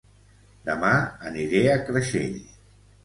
Dema aniré a Creixell